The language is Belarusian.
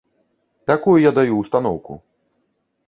Такую я даю ўстаноўку.